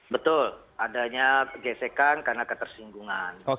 betul adanya gesekan karena ketersinggungan